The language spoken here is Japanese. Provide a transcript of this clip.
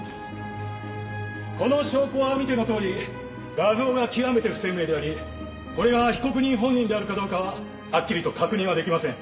この証拠は見てのとおり画像が極めて不鮮明でありこれが被告人本人であるかどうかははっきりと確認は出来ません。